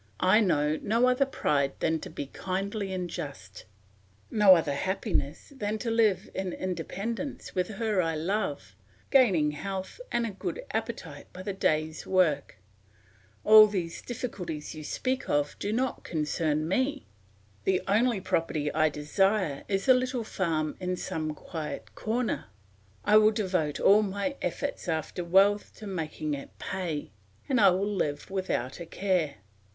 I know no other pride than to be kindly and just; no other happiness than to live in independence with her I love, gaining health and a good appetite by the day's work. All these difficulties you speak of do not concern me. The only property I desire is a little farm in some quiet corner. I will devote all my efforts after wealth to making it pay, and I will live without a care.